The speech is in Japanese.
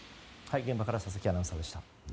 現場から佐々木アナウンサーでした。